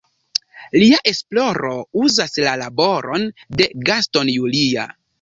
Lia esploro uzas la laboron de Gaston Julia.